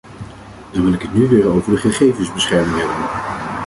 Dan wil ik het nu weer over de gegevensbescherming hebben.